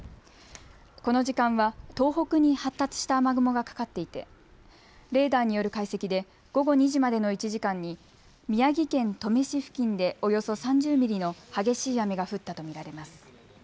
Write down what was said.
この時間は東北に発達した雨雲がかかっていてレーダーによる解析で午後２時までの１時間に宮城県登米市付近でおよそ３０ミリの激しい雨が降ったと見られます。